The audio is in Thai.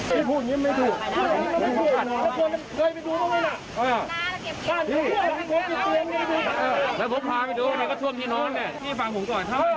พวกนี้ได้ยังไงพวกนี้ได้ยังไง